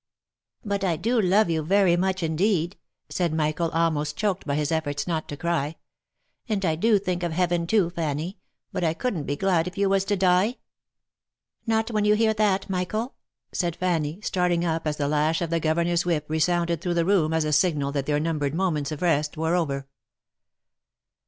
" But I do love you very much indeed," said Michael, almost choked by his efforts not to cry, " and I do think of Heaven, too, Fanny, but I could'nt be glad if you was to die !"" Not when you hear that, Michael !" said Fanny, starting up as the lash of the governor's whip resounded through the room as a signal that their numbered moments of rest were over.